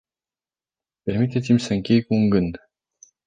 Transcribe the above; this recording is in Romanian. Permiteți-mi să închei cu un gând.